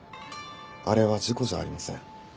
あれは事故じゃありません。